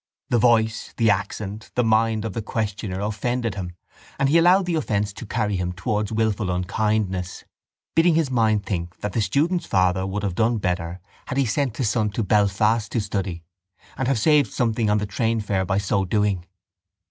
The voice, the accent, the mind of the questioner offended him and he allowed the offence to carry him towards wilful unkindness, bidding his mind think that the student's father would have done better had he sent his son to Belfast to study and have saved something on the train fare by so doing.